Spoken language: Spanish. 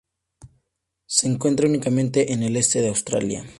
Se encuentra únicamente en el este de Australia.